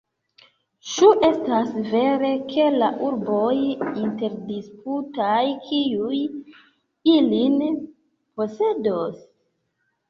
Ĉu estas vere, ke la urboj interdisputas, kiu ilin posedos?